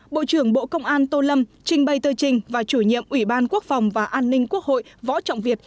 bộ trưởng bộ công an tô lâm trình bày tờ trình và chủ nhiệm ủy ban quốc phòng và an ninh quốc hội võ trọng việt